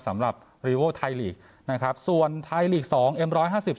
สำหรับรีโวไทยลีกนะครับส่วนไทยลีกสองเอ็มร้อยห้าสิบ